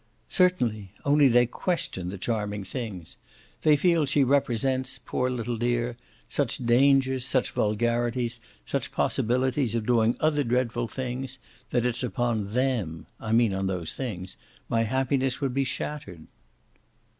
"Certainly only they question the charming things. They feel she represents, poor little dear, such dangers, such vulgarities, such possibilities of doing other dreadful things, that it's upon THEM I mean on those things my happiness would be shattered."